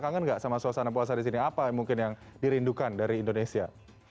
kangen gak sama suasana puasa di sini apa mungkin yang dirindukan dari indonesia